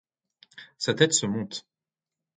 Sa tête se monte.